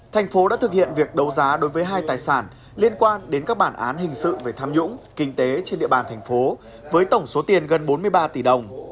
thành phố đã thực hiện việc đấu giá đối với hai tài sản liên quan đến các bản án hình sự về tham nhũng kinh tế trên địa bàn thành phố với tổng số tiền gần bốn mươi ba tỷ đồng